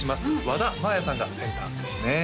和田まあやさんがセンターですね